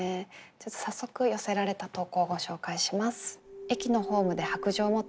早速寄せられた投稿をご紹介します。